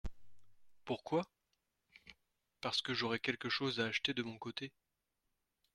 Pourquoi ? Parce que j'aurai quelque chose à acheter de mon côté.